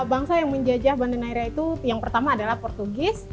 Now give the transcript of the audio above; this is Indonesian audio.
bangsa yang menjajah bandara naira itu yang pertama adalah portugis